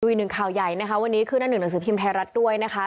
อีกหนึ่งข่าวใหญ่นะคะวันนี้ขึ้นหน้าหนึ่งหนังสือพิมพ์ไทยรัฐด้วยนะคะ